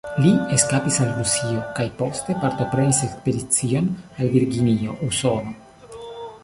Li eskapis al Rusio kaj poste partoprenis ekspedicion al Virginio, Usono.